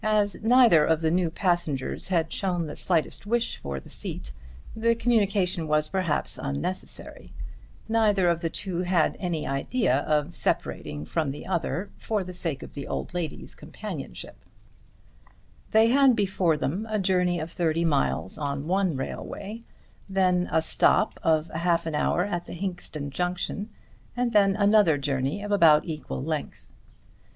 As neither of the new passengers had shown the slightest wish for the seat the communication was perhaps unnecessary. Neither of the two had any idea of separating from the other for the sake of the old lady's company. They had before them a journey of thirty miles on one railway, then a stop of half an hour at the Hinxton Junction; and then another journey of about equal length.